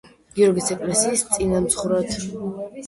გიორგის ეკლესიის წინამძღვრად.